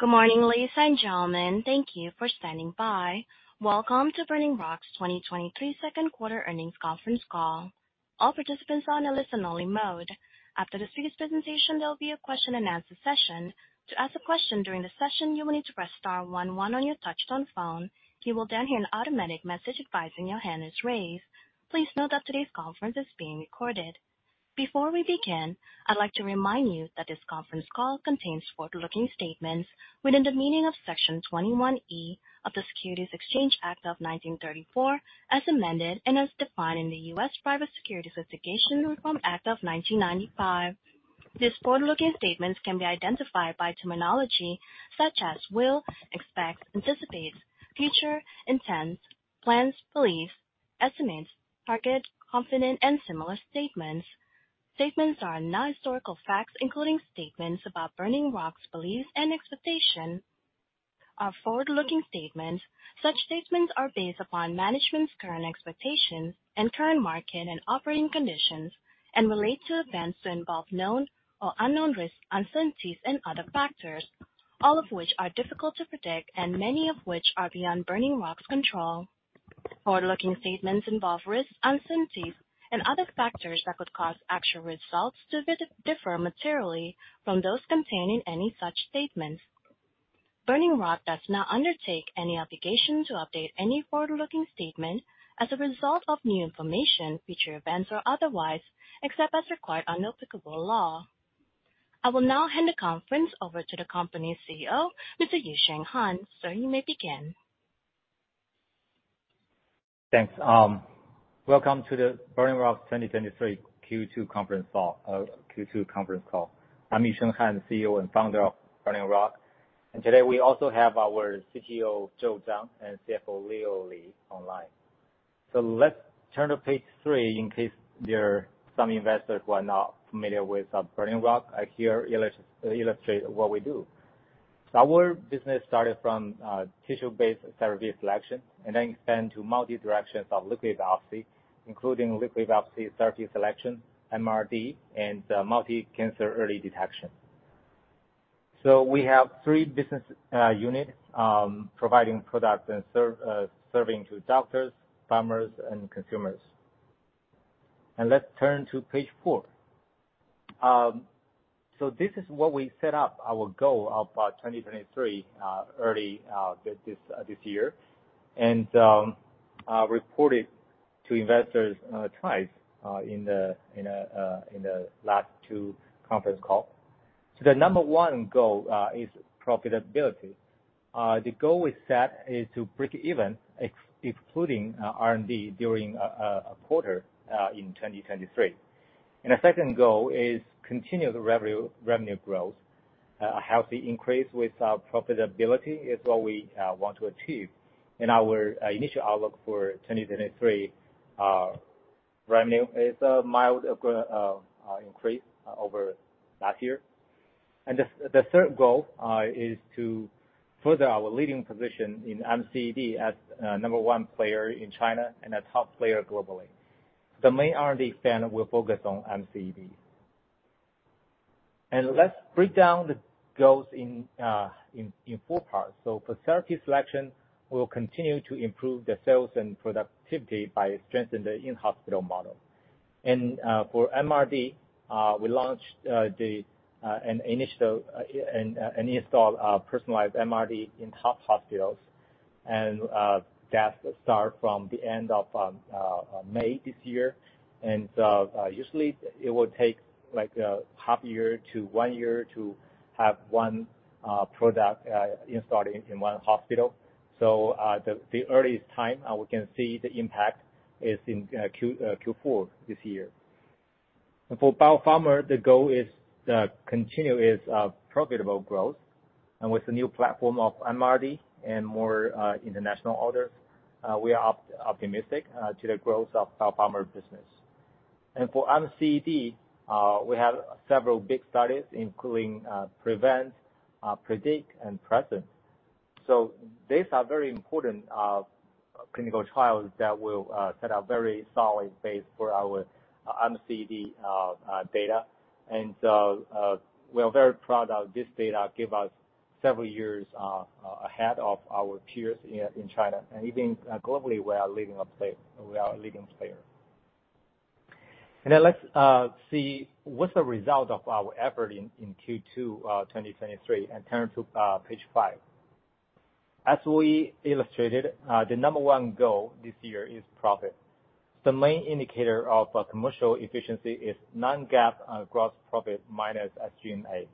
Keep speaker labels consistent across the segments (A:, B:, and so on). A: Good morning, ladies and gentlemen. Thank you for standing by. Welcome to Burning Rock's 2023 Q2 earnings conference call. All participants are on a listen-only mode. After the speaker's presentation, there will be a question-and-answer session. To ask a question during the session, you will need to press star one one on your touchtone phone. You will then hear an automatic message advising your hand is raised. Please note that today's conference is being recorded. Before we begin, I'd like to remind you that this conference call contains forward-looking statements within the meaning of Section 21E of the Securities Exchange Act of 1934, as amended, and as defined in the U.S. Private Securities Litigation Reform Act of 1995. These forward-looking statements can be identified by terminology such as will, expect, anticipate, future, intent, plans, belief, estimates, target, confident, and similar statements. Statements are not historical facts, including statements about Burning Rock's beliefs and expectations. Our forward-looking statements, such statements are based upon management's current expectations and current market and operating conditions, and relate to events that involve known or unknown risks, uncertainties, and other factors, all of which are difficult to predict and many of which are beyond Burning Rock's control. Forward-looking statements involve risks, uncertainties, and other factors that could cause actual results to differ materially from those contained in any such statements. Burning Rock does not undertake any obligation to update any forward-looking statement as a result of new information, future events, or otherwise, except as required by applicable law. I will now hand the conference over to the company's CEO, Mr. Yusheng Han. Sir, you may begin.
B: Thanks. Welcome to the Burning Rock's 2023 Q2 conference call, Q2 conference call. I'm Yusheng Han, CEO and founder of Burning Rock, and today we also have our CGO, Joe Zhang, and CFO, Leo Li, online. Let's turn to page three in case there are some investors who are not familiar with Burning Rock. I here illustrate what we do. Our business started from, tissue-based therapy selection and then expand to multi directions of liquid biopsy, including liquid biopsy therapy selection, MRD, and, multi-cancer early detection. We have three business unit, providing products and serving to doctors, pharma, and consumers. Let's turn to page four. This is what we set up our goal of 2023 early this year, and reported to investors twice in the last two conference call. The number one goal is profitability. The goal we set is to break even, excluding R&D during a quarter in 2023 and the second goal is continued revenue growth. A healthy increase with our profitability is what we want to achieve. In our initial outlook for 2023, revenue is a mild increase over last year and the third goal is to further our leading position in MCED as number one player in China and a top player globally. The main R&D spend will focus on MCED. Let's break down the goals in four parts. For therapy selection, we will continue to improve the sales and productivity by strengthening the in-hospital model and for MRD, we launched and installed a personalized MRD in top hospitals and that start from the end of May this year. Usually, it will take a half year to one year to have one product installed in one hospital. The earliest time we can see the impact is in Q4 this year and for Biopharma, the goal is to continue its profitable growth and with the new platform of MRD and more international orders, we are optimistic to the growth of Biopharma business. For MCED, we have several big studies, including PREVENT, PREDICT, and PRESCIENT. These are very important clinical trials that will set a very solid base for our MCED data. We are very proud of this data, give us several years ahead of our peers in China. Even globally, we are a leading player. Then, let's see what's the result of our effort in Q2 2023, and turn to page five. As we illustrated, the number one goal this year is profit. The main indicator of a commercial efficiency is non-GAAP gross profit minus SG&A.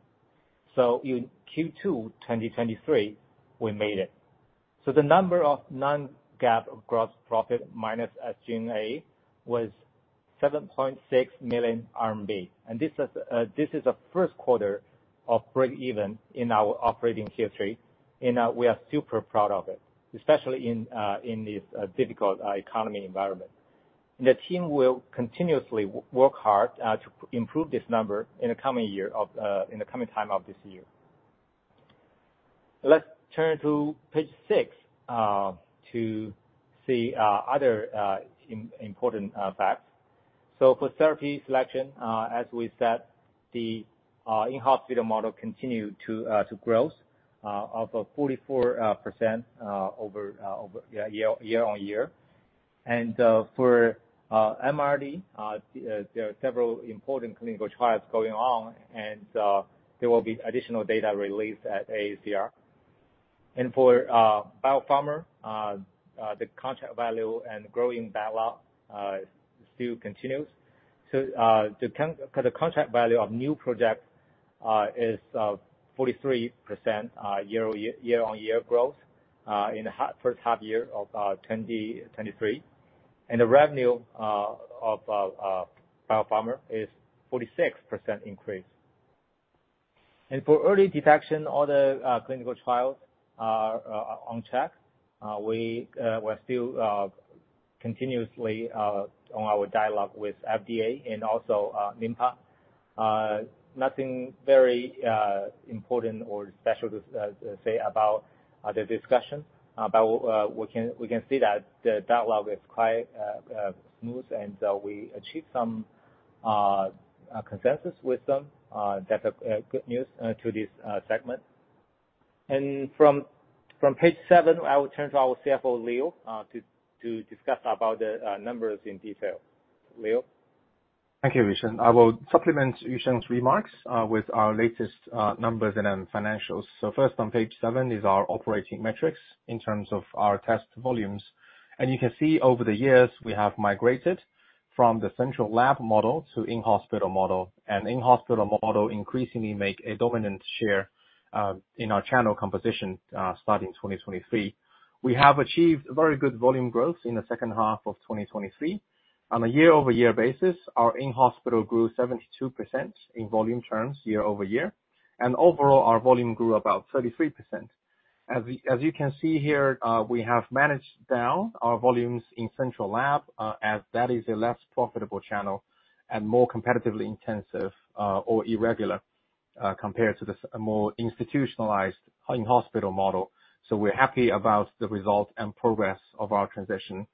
B: In Q2 2023, we made it. The number of non-GAAP gross profit minus SG&A was 7.6 million RMB, and this is the Q1 of breakeven in our operating history, and we are super proud of it, especially in this difficult economic environment. The team will continuously work hard to improve this number in the coming time of this year. Let's turn to page six to see other important facts. For therapy selection, as we said, the in-hospital model continued to grow of 44% year-over-year. For MRD, there are several important clinical trials going on, and there will be additional data released at AACR. For biopharma, the contract value and growing backlog still continues. The contract value for new project is 43% year-on-year growth in the first half year of 2023. The revenue of biopharma is 46% increase. For early detection, all the clinical trials are on track. We're still continuously on our dialogue with FDA and also NMPA. Nothing very important or special to say about the discussion, but we can see that the dialogue is quite smooth, and we achieved some consensus with them. That's good news to this segment. From page seven, I will turn to our CFO, Leo, to discuss about the numbers in detail. Leo?
C: Thank you, Yusheng. I will supplement Yusheng's remarks with our latest numbers and then financials. First, on page 7 is our operating metrics in terms of our test volumes. You can see over the years, we have migrated from the central lab model to in-hospital model, and in-hospital model increasingly make a dominant share in our channel composition starting in 2023. We have achieved very good volume growth in the second half of 2023. On a year-over-year basis, our in-hospital grew 72% in volume terms year-over-year, and overall, our volume grew about 33%. As you can see here, we have managed down our volumes in central lab as that is a less profitable channel and more competitively intensive or irregular compared to the more institutionalized in-hospital model. We're happy about the result and progress of our transition.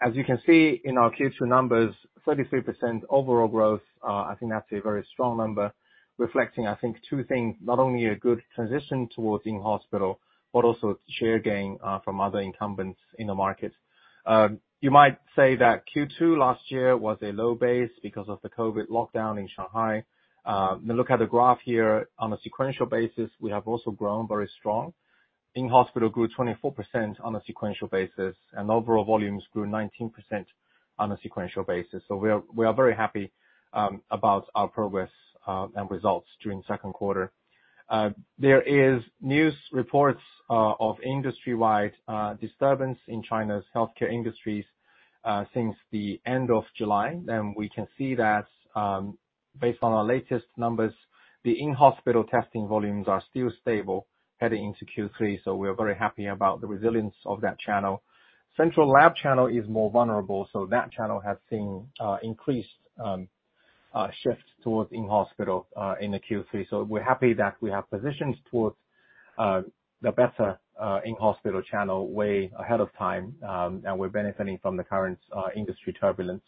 C: As you can see in our Q2 numbers, 33% overall growth, I think that's a very strong number, reflecting, I think, two things: not only a good transition towards in-hospital, but also share gain from other incumbents in the market. You might say that Q2 last year was a low base because of the COVID lockdown in Shanghai. Then look at the graph here. On a sequential basis, we have also grown very strong. In-hospital grew 24% on a sequential basis, and overall volumes grew 19% on a sequential basis. We are very happy about our progress and results during Q2. There is news reports of industry-wide disturbance in China's healthcare industries since the end of July. We can see that, based on our latest numbers, the in-hospital testing volumes are still stable heading into Q3, we are very happy about the resilience of that channel. Central lab channel is more vulnerable, that channel has seen increased shifts towards in-hospital in the Q3. We're happy that we have positioned towards the better in-hospital channel way ahead of time, and we're benefiting from the current industry turbulence.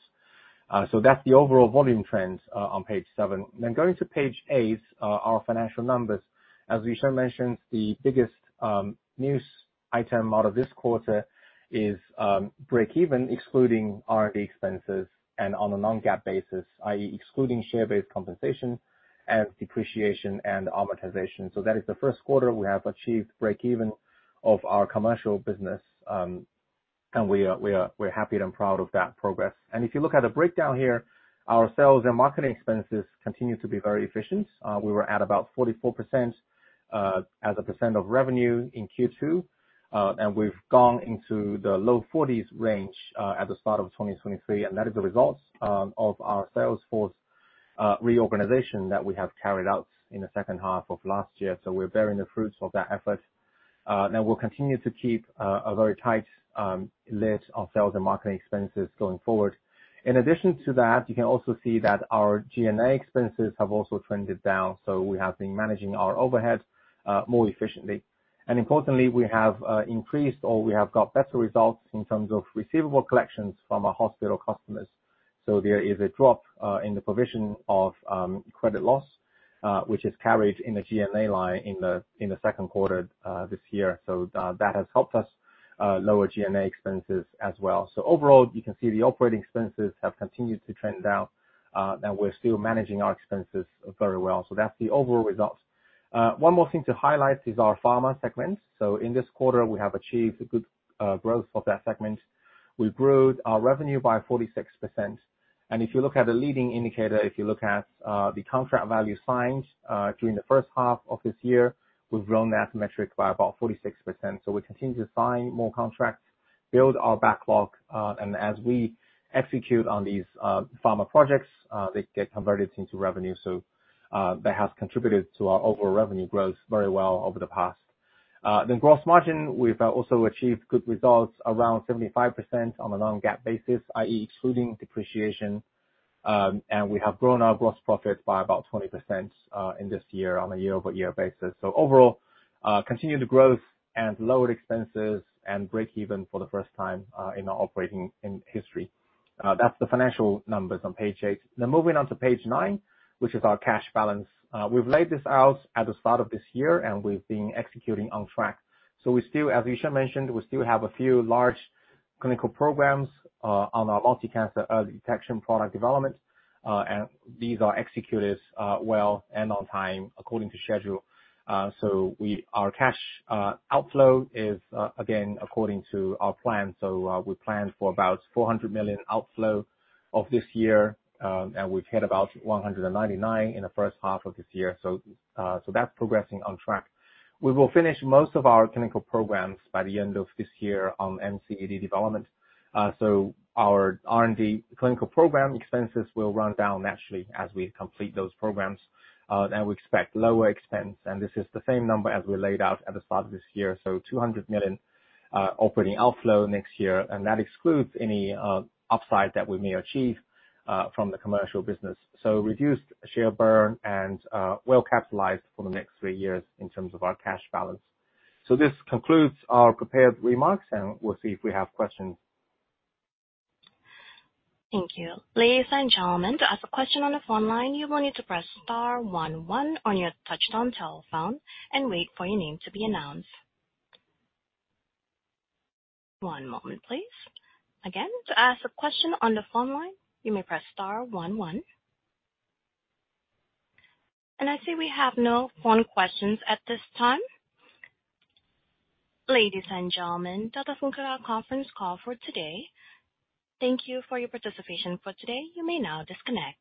C: That's the overall volume trends on page seven. Going to page eight, our financial numbers. As Yusheng mentioned, the biggest news item out of this quarter is breakeven, excluding R&D expenses and on a non-GAAP basis, i.e., excluding share-based compensation and depreciation and amortization. That is the Q1 we have achieved breakeven of our commercial business, and we're happy and proud of that progress. If you look at the breakdown here, our sales and marketing expenses continue to be very efficient. We were at about 44%, as a percent of revenue in Q2, and we've gone into the low 40s range at the start of 2023, and that is the result of our sales force reorganization that we have carried out in the second half of last year. We're bearing the fruits of that effort and we'll continue to keep a very tight lid on sales and marketing expenses going forward. In addition to that, you can also see that our G&A expenses have also trended down, we have been managing our overheads more efficiently, and importantly, we have increased, or we have got better results in terms of receivable collections from our hospital customers. There is a drop in the provision of credit loss, which is carried in the G&A line in the Q2 this year. That has helped us lower G&A expenses as well. Overall, you can see the operating expenses have continued to trend down, and we're still managing our expenses very well. That's the overall results. One more thing to highlight is our pharma segment. In this quarter, we have achieved a good growth of that segment. We grew our revenue by 46%. If you look at the leading indicator, if you look at the contract value signed during the first half of this year, we've grown that metric by about 46%. We continue to sign more contracts, build our backlog, and as we execute on these pharma projects, they get converted into revenue. That has contributed to our overall revenue growth very well over the past. Then gross margin, we've also achieved good results, around 75% on a non-GAAP basis, i.e., excluding depreciation, and we have grown our gross profit by about 20% in this year on a year-over-year basis. Overall, continued growth and lower expenses and breakeven for the first time in our operating history. That's the financial numbers on page eight. Now moving on to page nine, which is our cash balance. We've laid this out at the start of this year, and we've been executing on track. As Yusheng mentioned, we still have a few large clinical programs on our multi-cancer early detection product development and these are executed well and on time according to schedule. Our cash outflow is again according to our plan. We planned for about 400 million outflow of this year, and we've hit about 199 in the first half of this year. That's progressing on track. We will finish most of our clinical programs by the end of this year on MCED development. Our R&D clinical program expenses will run down naturally as we complete those programs. We expect lower expense, and this is the same number as we laid out at the start of this year, 200 million operating outflow next year, and that excludes any upside that we may achieve from the commercial business. Reduced share burn and well capitalized for the next three years in terms of our cash balance. This concludes our prepared remarks, and we'll see if we have questions.
A: Thank you. Ladies and gentlemen, to ask a question on the phone line, you will need to press star one one on your touch-tone telephone and wait for your name to be announced. One moment, please. Again, to ask a question on the phone line, you may press star one one. I see we have no phone questions at this time. Ladies and gentlemen, that concludes our conference call for today. Thank you for your participation for today. You may now disconnect.